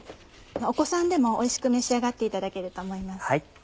お子さんもおいしく召し上がっていただけると思います。